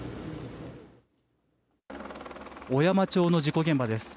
小山町の事故現場です。